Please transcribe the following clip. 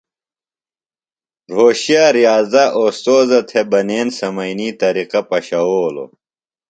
روھوشے ریاضہ اوستوذہ تھےۡ بنین سمئینی طریقہ پشَوؤلوۡ۔